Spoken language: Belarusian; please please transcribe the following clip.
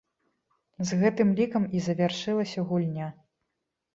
З гэтым лікам і завяршылася гульня.